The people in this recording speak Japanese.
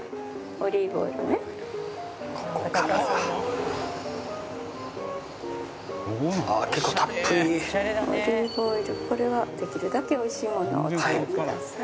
オリーブオイルこれはできるだけ美味しいものをお使いください。